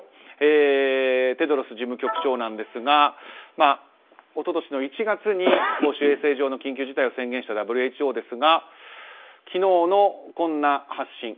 ＷＨＯテドロス事務局長なんですが一昨年の１月に公衆衛生上の緊急事態宣言を宣言したＷＨＯですが、昨日のこんな発信。